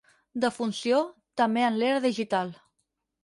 Defunció, també en l'era digital.